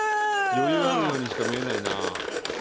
余裕あるようにしか見えないな。